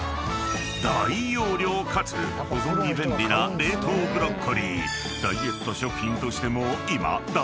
［大容量かつ保存に便利な冷凍ブロッコリー］